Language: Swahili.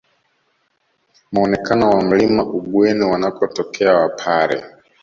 Muonekano wa Mlima Ugweno wanakotokea wapare